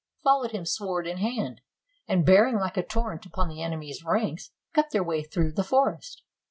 followed him sword in hand, and bearing like a torrent upon the enemy's ranks, cut their way through the forest.